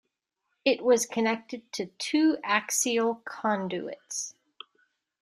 It was connected to two axial conduits.